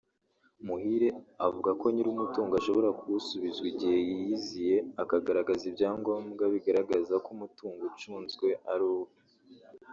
Muhire avuga ko nyir’umutungo ashobora kuwusubizwa igihe yiyiziye akagaragaza ibyangombwa bigaragaza ko umutungo ucunzwe ari uwe